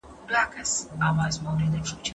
هغه د کورنی د هر غړي په ژوند کي د پام وړ بدلون راولي.